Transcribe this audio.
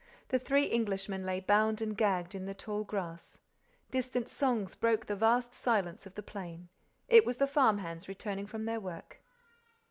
The three Englishmen lay bound and gagged in the tall grass. Distant songs broke the vast silence of the plain. It was the farm hands returning from their work.